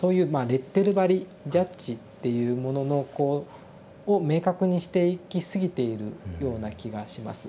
レッテル貼りジャッジっていうもののこうを明確にしていきすぎているような気がします。